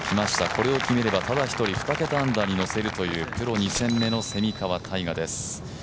これを決めれば、ただ１人、２桁アンダーに乗せるというプロ２戦目の蝉川泰果です。